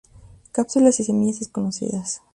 Cápsulas y semillas desconocidas.